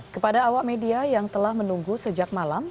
kepada awak media yang telah menunggu sejak malam